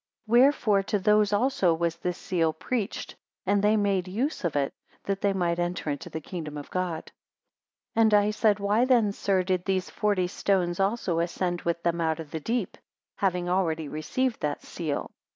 155 Wherefore to those also was this seal preached, and they made use of it, that they might enter into the kingdom of God. 156 And I said, Why then, sir, did these forty stones also ascend with them out of the deep, having already received that seal?